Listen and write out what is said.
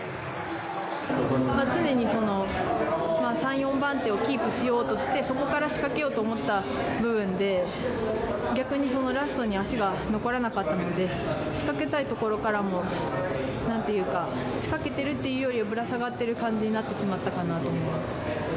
常に３４番手をキープしようとして、そこから仕掛けようと思った部分で逆にラストに足が残らなかったので仕掛けたいところからも仕掛けてるというよりぶら下がってる感じになってしまったかなと思います。